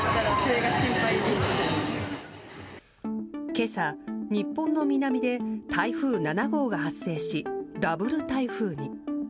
今朝、日本の南で台風７号が発生しダブル台風に。